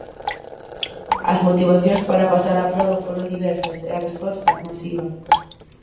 As motivacións para pasar a proba foron diversas e a resposta, masiva.